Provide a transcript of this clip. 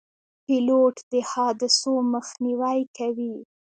پیلوټ د حادثو مخنیوی کوي.